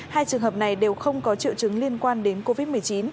hai trường hợp này đều không có triệu chứng liên quan đến covid một mươi chín